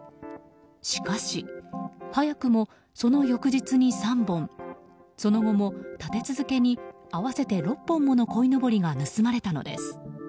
しかし、早くもその翌日に３本その後も立て続けに合わせて６本ものこいのぼりが盗まれたのです。